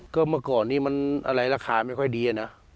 ก็เมื่อก่อนนี้มันอะไรราคาไม่ค่อยดีนะ